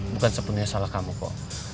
bukan sepenuhnya salah kamu kok